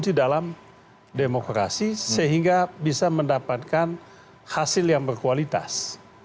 di dalam demokrasi sehingga bisa mendapatkan hasil yang berkualitas